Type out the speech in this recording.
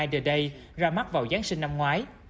the day ra mắt vào giáng sinh năm ngoái